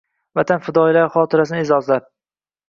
Vatan fidoyilari xotirasini e’zozlab